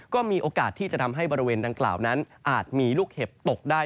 ก็มีโอกาสที่จะทำให้บริเวณดังกล่าวนั้นอาจมีลูกเห็บตกได้